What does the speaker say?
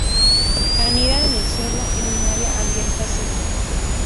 Anidan en el suelo en un área abierta seco.